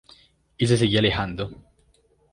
Y se sigue alejando.